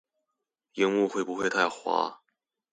螢幕會不會太花